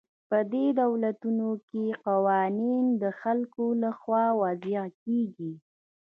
په دې دولتونو کې قوانین د خلکو له خوا وضع کیږي.